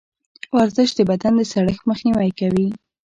ورزش د بدن د سړښت مخنیوی کوي.